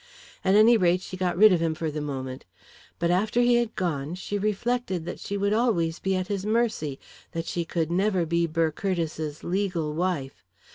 At any rate, she got rid of him for the moment. But after he had gone, she reflected that she would always be at his mercy, that she could never be Burr Curtiss's legal wife.